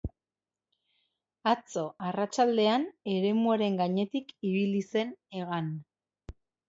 Atzo arratsaldean eremuaren gainetik ibili zen hegan.